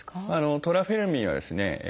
トラフェルミンはですね